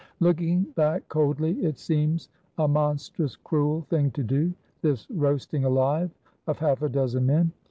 Looking back, coldly, it seems a monstrous cruel thing to do — this roasting alive of half a dozen men.